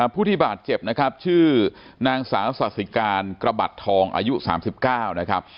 ผู้ที่บาดเจ็บนะครับชื่อนางสาวสาธิการกระบัดทองอายุ๓๙นะครับ